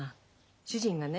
主人がね